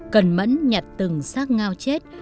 cần mẫn nhặt từng xác ngao chết